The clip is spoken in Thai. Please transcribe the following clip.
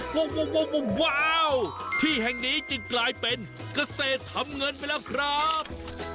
ว้าวที่แห่งนี้จึงกลายเป็นเกษตรทำเงินไปแล้วครับ